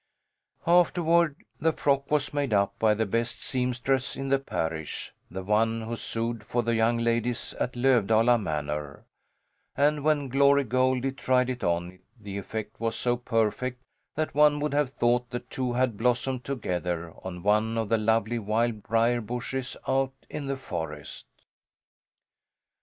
Afterward the frock was made up by the best seamstress in the parish, the one who sewed for the young ladies at Lövdala Manor, and when Glory Goldie tried it on the effect was so perfect that one would have thought the two had blossomed together on one of the lovely wild briar bushes out in the forest.